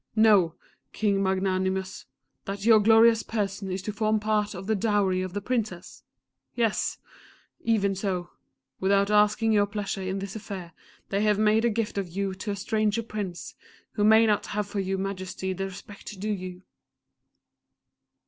"Know, King Magnanimous, that your glorious person is to form part of the Dowry of the Princess. Yes! even so. Without asking your pleasure in this affair, they have made a gift of you to a stranger Prince, who may not have for your Majesty the respect due you.